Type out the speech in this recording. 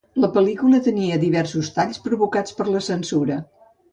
La pel·lícula tenia diversos talls provocats per la censura.